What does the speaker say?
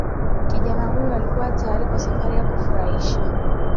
kijana huyo alikuwa tayari kwa safari ya kufurahisha